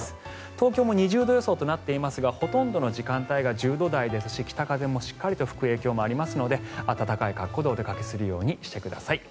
東京も２０度予想となっていますがほとんどの時間帯が１０度台ですし北風もしっかり吹く影響もあって暖かい格好でお出かけするようにしてください。